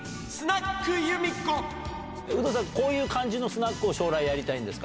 目指すは、有働さん、こういう感じのスナックを将来やりたいんですか？